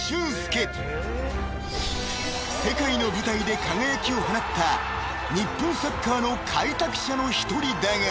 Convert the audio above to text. ［世界の舞台で輝きを放った日本サッカーの開拓者の１人だが］